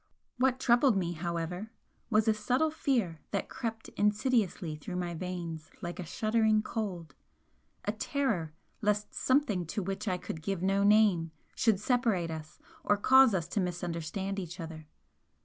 What troubled me, however, was a subtle fear that crept insidiously through my veins like a shuddering cold, a terror lest something to which I could give no name, should separate us or cause us to misunderstand each other.